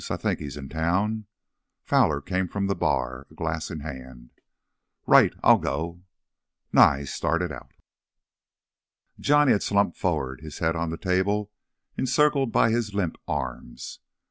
I think he's in town." Fowler came from the bar, a glass in hand. "Right. I'll go." Nye started out. Johnny had slumped forward, his head on the table encircled by his limp arms.